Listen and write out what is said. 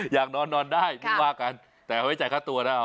อยากนอนนอนได้ไม่ว่ากันแต่ไว้จ่ายค่าตัวนะ